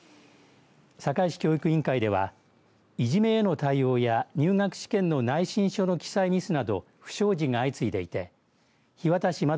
堺市教育委員会ではいじめへの対応や入学試験の内申書の記載ミスなど不祥事が相次いでいて日渡円